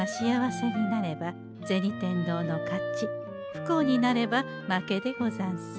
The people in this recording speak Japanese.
不幸になれば負けでござんす。